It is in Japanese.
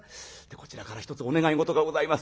こちらから一つお願い事がございます。